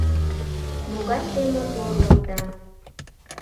— Могай те мотор улыда!